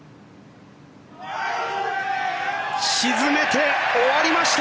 沈めて、終わりました。